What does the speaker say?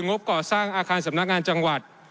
งบก่อสร้างอาคารสำนักงานจังหวัด